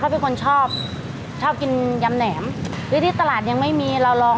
ปกติแม่เขาทำให้ทาน